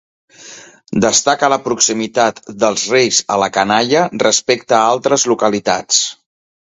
Destaca la proximitat dels reis a la canalla respecte a altres localitats.